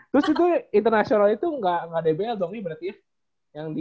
terus itu international itu gak dbl dong ini berarti ya yang di